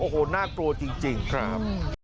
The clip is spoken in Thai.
โอ้โหน่ากลัวจริงครับ